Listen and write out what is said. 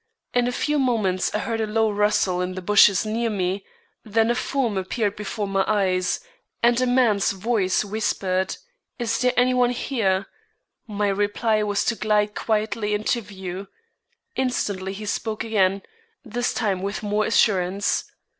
In a few moments I heard a low rustle in the bushes near me, then a form appeared before my eyes, and a man's voice whispered: "Is there any one here?" My reply was to glide quietly into view. Instantly he spoke again, this time with more assurance.